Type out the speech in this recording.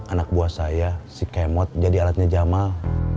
anak buah saya si kemot jadi alatnya jamal